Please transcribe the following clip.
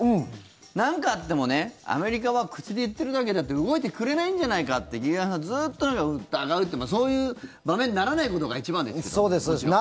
なんかあっても、アメリカは口で言ってるだけであって動いてくれないんじゃないかって劇団さん、ずっと疑うそういう場面にならないことが一番ですけども。